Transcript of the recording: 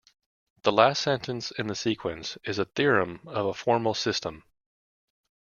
The last sentence in the sequence is a theorem of a formal system.